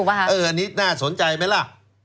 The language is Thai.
อันนี้น่าสนใจไหมล่ะ